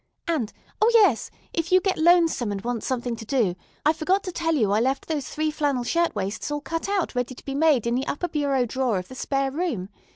And, O, yes, if you get lonesome and want something to do, I forgot to tell you I left those three flannel shirt waists all cut out ready to be made in the upper bureau drawer of the spare room.